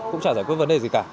cũng chả giải quyết vấn đề gì cả